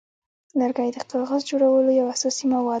لرګی د کاغذ جوړولو یو اساسي مواد دی.